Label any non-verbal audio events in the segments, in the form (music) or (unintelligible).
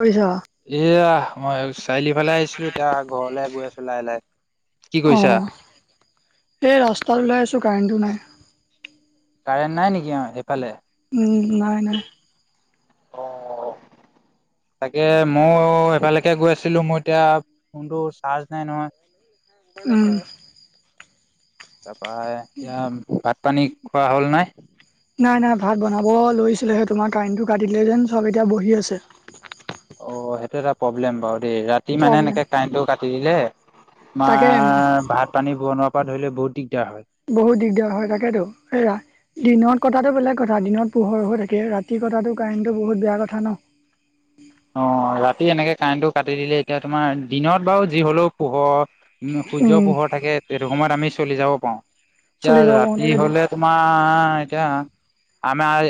কৰিছা এয়া মই চাৰিআলিফালে আহিছিলো এতিয়া ঘৰলে গৈ আছো লাহে লাহে কি অ কৈছা এই ৰাস্তাত ওলাই আছো কাৰেণ্টটো নাই কাৰেণ্ট নাই নেকি অ এইফালে উম না নায় (inaudible) তাকে ময় এফালেকে গৈ আছিলো মোৰ এতিয়া ফোনটো চাৰ্জ নাই নহয় উম তাৰাপৰা এয়া ভাত পানী খোৱা হল নাই নাই নাই ভাত বনাব লৈছিলেহে তোমাৰ কাৰেণ্টটো কাটিলে যেন চব এতিয়া বহি আছে অ সেইটো এটা প্ৰব্লেম বাৰু দেই ৰাতি মানে প্ৰব্লেম এনেকে কাৰেণ্টটো কাটি দিলে তাকে আমাৰ ভাত পানী বনোৱাৰ পৰা ধৰি লও বহুত দি বহুত দিগদাৰ হয় থাকেতো সয়া দিনত কথাতটো বেলেগ কথা দিনত পোহৰ হৈ থাকে ৰাতি কতটো কাৰেণ্টটো বহুত বেয়া কথা ন (inaudible) অ ৰাতি এনেকে কাৰেণ্টটো কাটি দিলে এতিয়া তোমাৰ দিনত বাৰু যি হলেও পোহৰ সূৰ্য উম পোহৰ থাকে সেইটো সময়ত আমি চলি যাব পাওঁ এতিয়া চলি যাব পাৰোতে ৰাতি যদি হলে তোমাৰ এতিয়া আমাৰ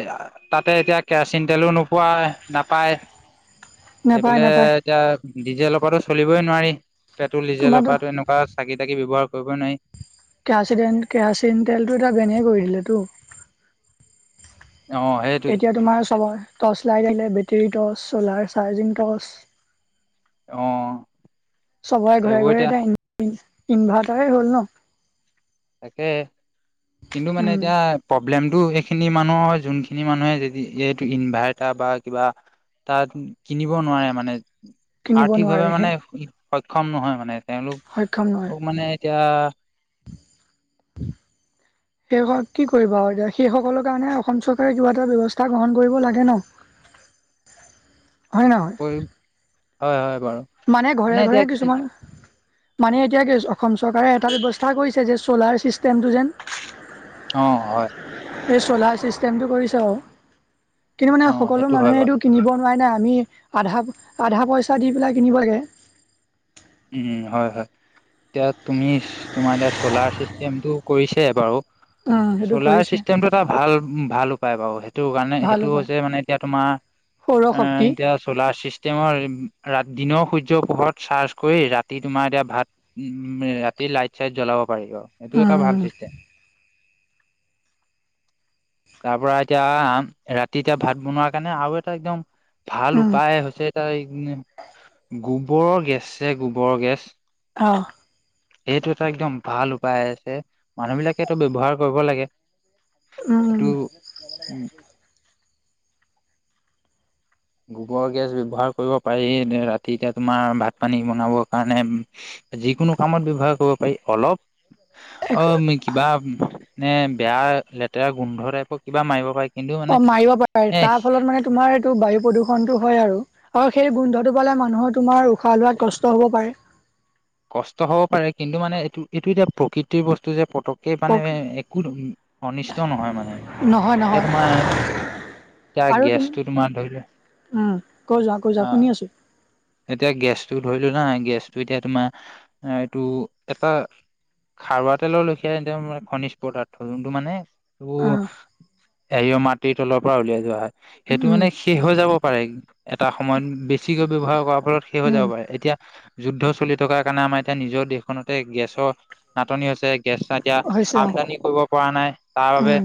তাতে এতিয়া কেৰাচিন তেলো নোপোৱা নাপায় নেপায় সেইফালে নেপায় এতিয়া ডিজেলেলপো চলিবই নোৱাৰি পেট্ৰল ডিজেলৰ তোমাৰতো পৰা এনেকুৱা চাকি তাকি ব্যৱহাৰ কৰিবই নায় কেৰাচ কেৰাচিন তেলটো এটা বেনিয়ে কৰিলে টো অ সেইটোৱে এতিয়া তোমাৰ চব টৰ্চ লাই থিলে বেটেৰীট টৰ্চ চ'লাৰ চাৰ্জিং টৰ্চ অ (inaudible) চবৰে ঘৰে সেইবোৰ এতিয়া ঘৰেতি আহনি ইনভাৰ্টাৰেই হ'ল ন তাকে কিন্তু মানে উম এতিয়া লেমটো এইখিনি মানুহৰ হয় যোনখিনি মানুহে যদি এইটো ইনভাৰ্টাৰ বা কিবা তাত কিনিব নোৱাৰে মানে কিনিব আৰ্থিক ভাৱে নোৱাৰেহে মানে সক্ষম নহয় মানে তেওঁলোক সক্ষম অ নহয় মানে এতিয়া (unintelligible) সেই কি কৰিবা আৰু এতিয়া সেই সকলৰ কাৰণে অসম চৰকাৰে কিবা এটা ব্যয়ৱস্থা গ্ৰহণ কৰিব লাগে ন হয় নহ হয়, হয়! বাৰু মানে ঘৰে এতিয়া ঘৰে কি কিছুমান, মানে এতিয়া কি অসম চৰকাৰে এটা ব্যৱস্থা কৰিছে যে চ'লাৰ ছিষ্টেমটো যেন অ হয়! এই চ'লাৰ চিষ্টেমটো কৰিছে আৰু কিন্তু মানে অ সকলো সেইটো হয় মানুহে বাৰু এইটো কিনিব আমা আ! পইচা পেলাই কিনিবাগে উম হয় হয়! এতিয়া তুমি তোমাৰ এতিয়া চলাৰ চিষ্টেমতটো কৰিছে বাৰু উম সেইটো চলাৰ কৰিছে চিষ্টেমটো এটা ভাল ভাল উপায় বাৰু সেই, সেইটো কাৰণে ভাল সেইটো উপায় হৈছে মানে এতিয়া তোমাৰ সৌৰ এ শক্তি এতিয়া চলাৰ চিষ্ট তেওঁৰ দিনৰ সূৰ্য পোহৰত চাৰ কৰি ৰাতি তোমাৰ এতিয়া ভাত উ ৰাতি লাইট চাইট জ্বলাব। অ! এইটো এটা উম ভাল চিচ (inaudible) তাৰ পৰা এতিয়া ৰাতি এতিয়া ভাত বনোৱা কাৰণে আৰু এটা একদম ভাল উম উপায় হৈছে এটা গোবৰৰ গেছযে গোবৰৰ গেছ- অ! সেইটো এটা একদম ভাল উপায় আছে মানুহ বিলাকেটো ব্যৱহাৰ কৰিব লাগে। এইটো অ উম! গোবৰ গেছ ব্যৱহাৰ কৰিব পাৰি ৰাতি এতিয়া তোমাৰ ভাত পানী বনাবৰ কাৰণে, যিকোনো কামত ব্যৱহাৰ কৰিব পাৰি অলপ অ উম মে কিবা নে বেয়া লেতেৰা গোন্ধ টাইপৰ কিবা মাৰিব পাই অ মাৰিব পাৰে তাৰ ফলত মানে তোমাৰ এইটো বায়ু প্ৰদূষণ- টো হয় আৰু সেই গোন্ধটো পালে মানুহৰ তোমাৰ উশাহ লোৱাত কষ্ট হ'ব পাৰে। কষ্ট হ'ব পাৰে কিন্তু মানে এইটো এইটো এতিয়া প্ৰকৃতিৰ বস্তু যে পতক কে মানে একো অনিষ্ট নহয় মানে নহয় এতিয়া নহয় তোমাৰ এয়া আৰু তুমি গেছটো তোমাৰ ধৰিলে উম কৈ যোৱা কৈ যোৱা আহ শুনি আছো এতিয়া গেছটো ধৰিলো না গেছটো এতিয়া তোমাৰ এইটো এটা খাৰুৱা তেলৰ লেখিয়া এক খনিজ পদাৰ্থ যোনটো মানে, এবো অ এৰিয় মাটিৰ তলৰ পৰা উলিয়াই যোৱা হয় সেইটো উম মানে শেষ হৈ যাব। পাৰে এটা সময়ত বেছিকৈ ব্যৱহাৰ কৰাৰ ফলত শেষ হৈ উম যাব পাৰে এতিয়া যুদ্ধ চলি থকাৰ কাৰণে আমাৰ এতিয়া নিজৰ দেশখনতে গেছৰ নাটনি হৈছে গেছ এতিয়া হৈছে অ আমদানি কৰিব পৰা নাই তাৰ বাবে উম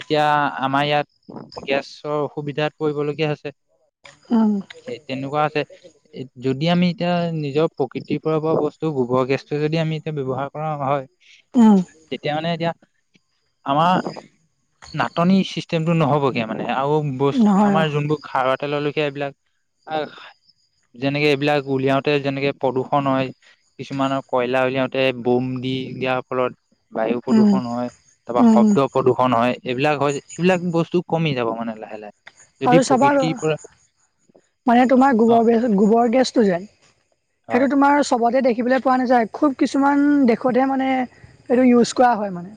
এতিয়া আমাৰ ইয়াত গেছৰ অসুবিধাত পৰিবলগীয়া হৈছে। উম সেই তেনেকুৱা আছে এ যদি আমি এতিয়া নিজৰ প্ৰকৃতিৰ পৰা পোৱা বস্তু গোবৰ গেছটো যদি আমি এতিয়া ব্যৱহাৰ কৰা হয় উম তেতিয়া মানে এতিয়া, আমাৰ নাটনি চিষ্টেমটো নহবগে মানে, আৰু বস্তু নহয় আমাৰ অ যোনবোৰ খাৰুৱা তেল লৈকে এইবিলাক আহ যেনেকে এইবিলাক উলিয়াওতে যেনেকে প্ৰদূষন হয় কিছুমানৰ কয়লা উলিয়াওতে বম দি দিয়াৰ ফলত বায়ু উম প্ৰদূষণ হয় তাপা উম শব্দ প্ৰদূষণ হয়। এইবিলাক হয় এইবিলাক বস্তু কমি যাব মানে লাহে লাহে, যদি আৰু চাবা প্ৰকৃতিৰ পৰা মানে তোমাৰ অ গোবৰ গে গোবৰ গেছটো যে সেইটো হয় তোমাৰ চবতে দেখিবলে পোৱা নাযায় খুব কিছুমান দেশতহে মানে এইটো ইউজ কৰা হয় মানে,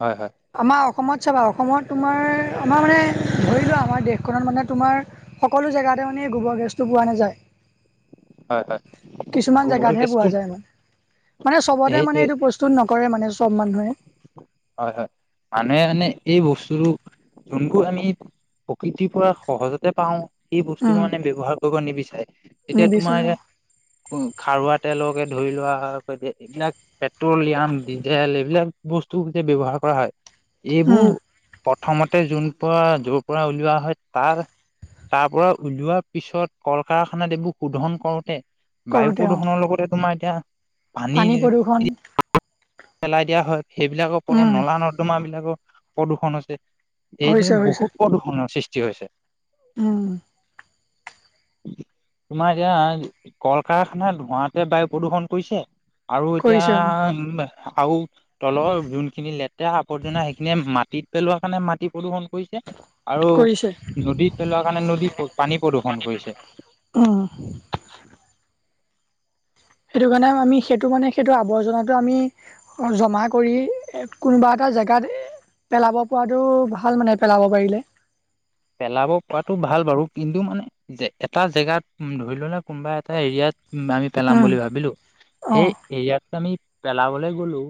হয় হয় আমাৰ অসমত চাবা অসমত তোমাৰ আমাৰ মানে ধৰি লোৱা আমাৰ দেশখনত মানে তোমাৰ সকলো জেগাতে মানে গোবৰ গেছটো পোৱা হয় হয় নাযায়। কিছুমান গোবৰ জেগাতহে গেছটো পোৱা যায় মানে, মানে চবতে মানে সেইটোৱে এইটো প্ৰস্তুত নকৰে মানে চব মানুহে, হয় হয় মানুহে মানে এই বস্তুটো যোনবোৰ আমি, প্ৰকৃতিৰ পৰা সহজতে পাওঁ সেই বস্তুবোৰ উম মানে ব্যৱহাৰ কৰিব নিবিচাৰে এতিয়া তোমাৰ নিবিচাৰে অ', খাৰুৱা তেলকে ধৰি লোৱা হয় এইবিলাক পেট্ৰলিয়াম ডিজেল এইবিলাক বস্তু তে ব্যৱহাৰ কৰা হয় এইবোৰ উম প্ৰথমতে যোন পৰা যৰ পৰা উলিওৱা হয় তাৰ তাৰ পৰা উলিওৱাৰ পিছত কল কাৰখানাত এইবোৰ শোধন কৰোতে বায়ু কৰোতে অ প্ৰদূষণৰ লগতে তোমাৰ এতিয়া পানী প্ৰদূষণ পেলাই দিয়া হয় সেইবিলাকৰ পৰা উম নলা নৰ্দমা বিলাকৰ প্ৰদূষণ হৈছে হৈছে এইদৰে হৈছে বহুত প্ৰদূষণৰ সৃষ্টি হৈছে উম তোমাৰ এতিয়া কল কাৰখানা ধোঁৱাতে বায়ু প্ৰদূৰ্ষণ কৰিছে আৰু এতিয়া কৰিছে অ আৰু তলৰ যোনখিনি লেতেৰা আৱৰ্জনা সেইখিনিয়ে মাটিত পেলোৱা কাৰণে মাটি প্ৰদূষণ। কৰিছে আৰু কৰিছে নদী পেলোৱা কাৰণে নদী পানী প্ৰদূ্ষন কৰিছে অ' সেইটো কাৰণে আমি সেইটো মানে সেইটো আৱৰ্জনাটো আমি জমা কৰি কোনোবা এটা। জেগাত পেলাব পৰাটো ভাল মানে পেলাব পাৰিলে। পেলাব পৰাতটো ভাল বাৰু কিন্তু মানে এটা জেগাত ধৰি ল ন কোনোবা এটা এৰিয়াত। আমি পেলাম উম বুলি ভাবিলো অ সেই এয়াত আমি পেলাবলৈ গলো।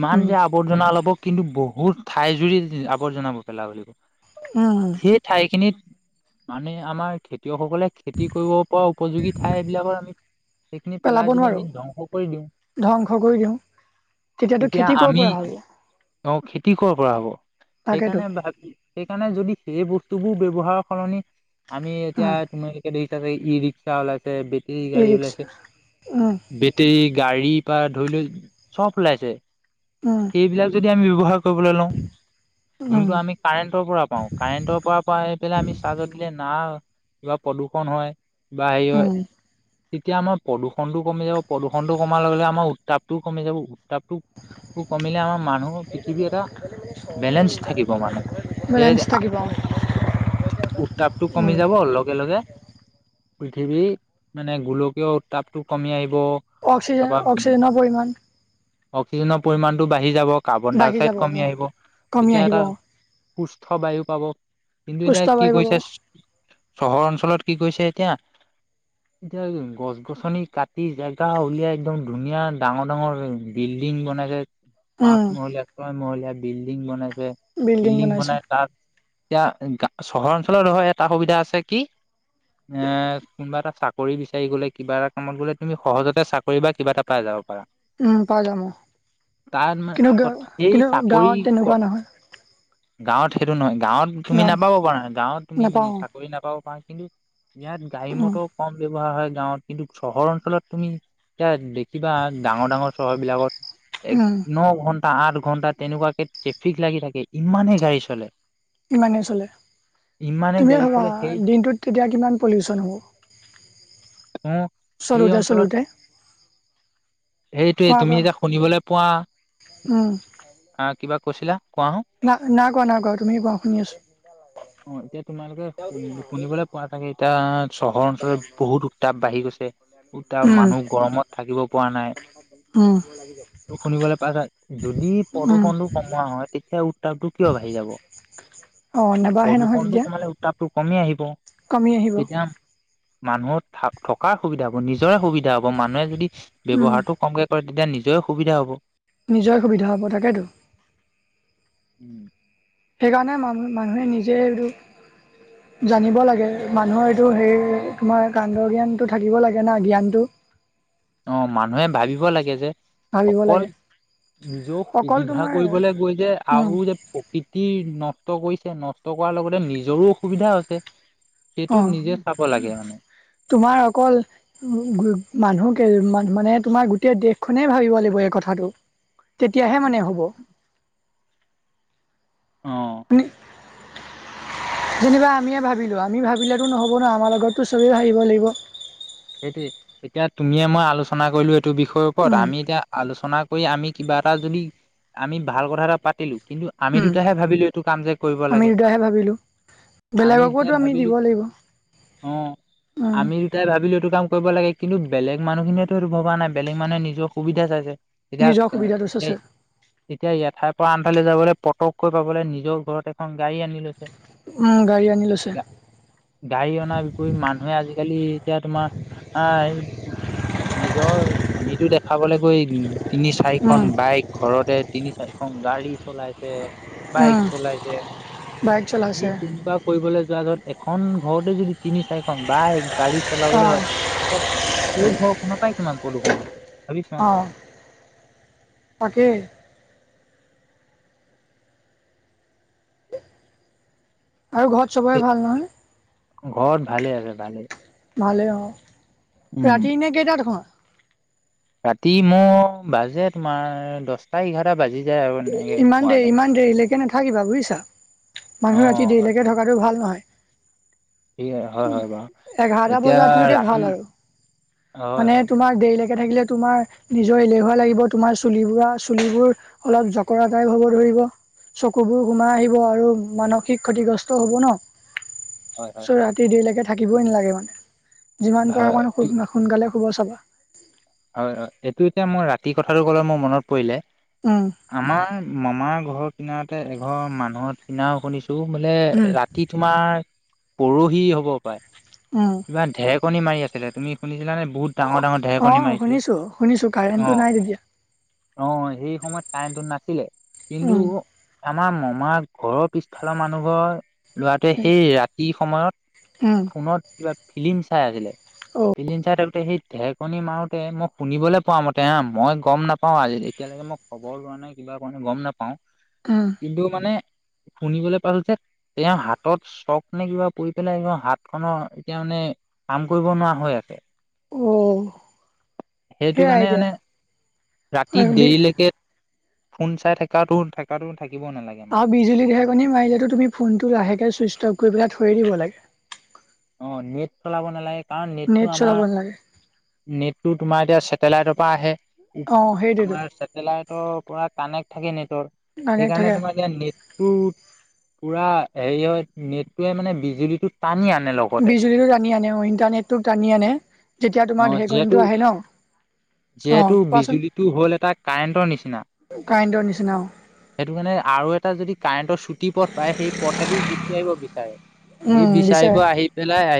ইমান উম যে আৱৰ্জনা লব কিন্তু বহুত ঠাই জুৰি আৱৰ্জাব পেলাব লাগিব উম, সেই ঠাইখিনিত মানে আমাৰ। খেতিয়কসকলে খেতি কৰিব পৰা উপযোগী ঠাই এইবিলাকৰ আমি। সেইখিনি পেলাব পেলাই যদি নোৱাৰো আমি ধ্বংস কৰি দিওঁ। ধ্বংস কৰি দিওঁ তেতিয়াতটো তেতিয়া খেতি কৰিব আমি পৰা হ'ল। অ' খেতি কৰ পৰা হ'ব সেইকাৰণে ভাবি সেইকাৰণে যদি সেই বস্তু বোৰ ব্যৱহাৰৰ সলনি আমি অ, এতিয়া তুমালোকে দেি থাকে ই ৰিক্সা ওলাই। বেটেৰী ই গাড়ী ৰিক্সা ওলাইছে উম, বেটেৰী। গাড়ী বা ধৰি লও চব ওলাইছে উম, সেইবিলাক যদি আমি বব্যৱহাৰ কৰিব লও উম, যোনটো আমি কাৰেন্টৰ পৰা পাও কাৰেণ্টৰ পৰা পৰা আহি পেলাই আমি চাৰ্জত দিলে না কিবা প্ৰদূষণ হয়। বাহিৰত। উম, তেতিয়া আমাৰ প্ৰদূষণটো কমি যাব প্ৰদূষণ টো কমাৰ লগে আমাৰ উত্তাপটোও কমি যাব। কিতাপ কমিলে আমাৰ মানুহ পৃথিৱী এটা। বেলেঞ্চ থাকিব মানে বেলেঞ্চ যে। থাকিব উত্তাপটো কমি উম, যাব লগে লগে লগে। পৃথিৱী মানে গোলকীয় উত্তাপটো কমি আহিব। অক্সিজেন তাপা অক্সিজেনৰ পৰিমাণ অক্সিজেনৰ পৰিমণতটো বাঢ়ি যাব কাৰ্বন ডাই বাঢ়ি অক্সাইড যাব কমি অ, আহিব কমি তেতিয়া আহিব এটা। অ', সুস্থ বায়ু পাব কিন্তু এতিয়া সুস্থ কি বায়ু পাব কৰিছে চহৰ অঞ্চলত কি কৰিছে এতিয়া। এতিয়া গছ গছনি কাটি জেগা উলিয়াই একদম ধুনীয়া ডাঙৰ -ডাঙৰ বিল। লিংক বনাই যায়। পাঁচ উম, মহলীয়া ছয় মহলীয়া বিল্ডিং বনাইছে বিল্ডিং বনাই তাত। এতিয়া চহৰ অঞ্চলত হয় এটা সুবিধা আছে কি এ কোনোবা এটা চাক কৰি বিচাৰি গ'লে কিবা এটা কামত গ'লে তুমি সহজতে চাকৰি বা কিবা এটা পাই যাও। উম পাই যাম অ তাত ' মানে কিন্তু গ সেই কিন্তু গাঁৱত চাকৰি তেনেকুৱা নহয়। গাঁৱত সেইটো নহয় গাঁৱত তুমি নাপাব পাৰা গাঁৱত তুমি নাপাওঁ চাকৰি নাপাব পাৰা কিন্তু। ইয়াত গাড়ী উম, মটৰ কম (unintelligible) কোৱা হয় গাঁৱত কিন্তু চহৰ অঞ্চলত তুমি এতিয়া দেখিবা ডাঙৰ ডাঙৰ চহৰ বিলাকত এক, উম, ন ঘন্টা, আঠ ঘন্টা তেনেকুৱাকে ট্ৰেফিক লাগি থাকে। ইমানেই গাড়ী চলে। ইমানে চলে। ইমানেই তুমিয়ে গাড়ী ভাবা চলে সেই দিনটোত কেতিয়া কিমান পলিউচন হ'ৱ। অ', এই অঞ্চলত সেইটোৱে কোৱা তুমি কোৱা এতিয়া শুনিবলৈ পোৱা। উম, হা, কিবাক কৈছিলা কোৱা। হ না নাগ। তুমি কোৱা শুনি আছো। অ', এতিয়া তোমালোকে শুনলি শুনিবলৈ পোৱা চাগে এতিয়া চহৰ অঞ্চলত বহুত উত্তাপ বাঢ়ি গৈছে। উতা উম মানুহ গৰমত থাকিব পৰা নাই। উম। উহ, শুনিবলৈ পাই কাই। যদি উম প্ৰদূষণটো কমোৱা হয় তেতিয়াও তাপটো কিয় বাঢ়ি যাব। অ নেবাঢ়ে নহয় প্ৰদূষণটো তেতিয়া কমালে উত্তাপটো কমি আহিব। কমি আহিব। তেতিয়া মানুহৰ থা-থকা সুবিধা হব, নিজৰে সুবিধা হব। মানুহে যদি উম ব্যৱহাৰটো কমকে কৰে। তেতিয়া নিজৰ সুবিধা হ'ব। নিজৰ সুবিধা হ'ব তাকেতো। উম। সেইকাৰণে মানুহ মানুহে নিজৰে এইটো জানিব লাগে মানুহৰ এইটো হেৰি, তোমাৰ কাণ্ডজ্ঞানটো থাকিব লাগে না, জ্ঞানটো। (inaudible) অ', মানুহে ভাবিব লাগে যে ভাবিব অকল লাগে নিজক অকল সুবিধা তোমাৰ কৰিবলে গৈ যে উম আৰু যে প্ৰকৃতিৰ নষ্ট কৰিছে। নষ্ট কৰাৰ লগতে নিজৰো অসুবিধা হৈছে। অ সেইটো নিজে চাব লাগে। মা তোমাৰ অকল মানুহকে মান-মানে তোমাৰ গোটেই দেশখনে ভাবিব লাগিব। এ, কথাটো তেতিয়াহে মানে হ'ব। অ'। (inaudible) যেনিবা আমিয়ে ভাবিলোঁ। আমি ভাবিলেতো নহ'ব ন', আমাৰ লগততো চবেই ভাবিব লাগিব। সেইটোয়ে। এতিয়া তুমিয়ে মই আলোচনা কৰিলোঁ এইটো বিষয় ওপৰত উম, আমি এতিয়া আলোচনা কৰি আমি কিবা এটা যদি আমি ভাল কথা এটা পাতিলো। কিন্তু আমি উম, দুটাহে ভাবিলো এইটো কাম যে কৰিব আমি লাগে। দুটাহে ভাবিলোঁ, আমি যেতিয়া বেলেগকোতো আমি ভাবিলো। দিব লাগিব। অ, উম, আমি যেতিয়া ভাবিলো কি কাম কৰিব লাগে, কিন্তু বেলেগ মানুহখিনিয়েতো এইটো ভবা নাই। বেলেগ মানে নিজৰ সুবিধা চাইছে। এতিয়া নিজৰ কা, সুবিধাটো কেই, চাইছে, এতিয়াই এঠাত তই আনফালে যাবলে পটকৈ পাবলে নিজৰ ঘৰত এখন গাড়ী আনি লৈছে। উম, গাড়ী আনি লৈছে, গা, গাড়ী অনা বিপৰী মানুহে আজিকালি এতিয়া তোমাৰ আই, নিজৰ জনীটো দেখাবলৈ গৈ উম তিনি চাৰিখন উম, বাইক ঘৰতে তিনি চাৰিখন গাড়ী চলাইছে। বাইক উম। চলাইছে। বাইক চলাইছে, ইয়ে তেনেকুৱা কৰিবলৈ যোৱা আগত এক এখন ঘৰতে যদি তিনি চাৰিখন বাইক, গাড়ী চলাবলৈ হয়। অ', এতিয়া সেই ঘৰখনৰ পাই কিমান প্ৰদূৰষণ আছে। অ', তাকে। আৰু ঘৰত চবৰে ভাল নহয়। ঘৰত ভালে আছে ভালে। ভালে অ'। উম ৰাতি নে কেইটাত শোৱা? ৰাতি মোৰ বাজে তোমাৰ দশটা এঘাৰটা বাজি যায় আৰু এনেকে ইমান শুৱালে দেৰি শুৱালে ইমান দেৰিলৈকে নাথাকিবা বুজিছা। অ মানুহ ৰাতি হয় দেৰিলৈকে থকাটো ভাল নহয়। ঠিক হয় উ হয় বাৰু এঘাৰটা এতিয়া বজালৈকে ৰাতি ভাল আৰু হয় মানে হয় তোমাৰ দেৰিলৈকে থাকিলে তোমাৰ নিজৰলেহুৱা লাগিব তোমাৰ চ চুলোৰ অ কৰাদায়ক হব ধৰিব চকুবোৰ সোমাই আহিব আৰু মানসিক ক্ষতিগ্ৰস্ত হব ন হয় হয় চ ৰাতি দেৰিলৈকে থাকিবই নালাগে মানে যিমান পাৰ হয় অকণ সোনকালে শুব চাবা হয় হয় এইটো এতিয়া মই ৰাতি কথাটো কলে মোৰ মনত পৰিলে উম আমাৰ মামাৰ ঘৰৰ কিনাৰতে এঘৰ মানুহৰ কিনাও শুনিছিল টো মানে উম ৰাতি তোমাৰ পৰহি হ'ব পাৰে উম কিবাঢৰেকণী মাৰি আছিলে তুমি শুনিছিলানে বহুত ডাঙৰ ডাঙৰ অ ঢেৰেকণী মাৰিছিলে শুনিছো শুনিছো কাৰেণ্টটো নাই তেতিয়া আহ সেই সময়ত কাৰেণ্টটো নাছিলে কিন্তু উম আমাৰ মমাৰ ঘৰৰ পিছফালৰ মানুহ ঘৰ লৰাটোৱে সেই ৰাতি সময়ত উম ফোনত কিবা ফিলি্ম চাই আছিলে, অ ফিলি্ম চাই থাকোতে সেই ঢেৰেকনি মাৰত কে মই শুনিবলে পোৱা মতে হা মই গম নাপাওঁ আজি এতিয়ালৈকে মই খবৰ লোৱা নাই কিবা কৰা নাই গম নাপাওঁ। উম কিন্তু মানে শুনিবলৈ পাইছো যে তেওঁৰ হাতত চক নে কিবা পৰি পেলাই হাত খনৰ এতিয়া মানে কাম কৰিব নোৱাৰা হৈ আছে। অ'। সেইটো সেয়াই কাৰণে এতিয়া মানে ৰাতি আৰু দেৰিলৈকে ফোন চাই থাকাতো- থাকাতো আৰু বিজুলী ঢেৰকণী মাৰিলেটো তুমি ফোনটো লাহেকে চুইটচ অফ কৰি পেলাই থৈয়ে দিব লাগে। অ', নেট চলাব নালাগে কাৰণ নেটটো নেট চলাব আমাৰ নালাগে নেটটো তোমাৰ এতিয়া চেটেলাইটৰ পৰা আহে। অ', সেইটোৱেতো আমাৰ চেটেলাইটৰ পৰা কানেক্ট থাকে নেটৰ কাৰেণ্ট সেইকাৰণে থাকে তোমাৰ এতিয়া নেটটো পুৰা হেৰি হয় নেটটোৱে মানে বিজুলীটো টানি আনে। লগতে বিজুলীটো টানি আনে অ' ইণ্টাৰনেটটো টানি আনে যেতিয়া অ তোমাৰ যিহেতু ধেৰেকনিটো আহে ন। অ', যিহেতু কোৱাচোন বিজুলীটো হ'ল এটা কাৰেন্টৰ নিচিনা। কাৰেণ্টৰ নিচিনা অ', সেইটো কাৰণে আৰু এটা যদি কাৰেণ্টৰ চুটি পথ পায় সেই পথেদি (unintelligible) বিচাৰে, এই উম, দিছে। বিচাৰিব আহি পেলাই আহি